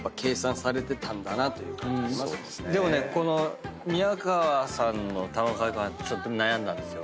でもねこの「宮川」さんのたまごかけごはんとちょっと悩んだんですよ